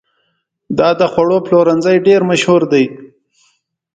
دا د خوړو پلورنځی ډېر مشهور دی.